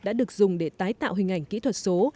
đã được dùng để tái tạo hình ảnh kỹ thuật số